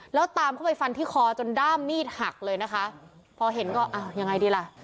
แล้วตามเข้าไปฟันที่คอจนด้ามมีดหักเลยนะคะพอเห็นก็อ้าวยังไงดีล่ะ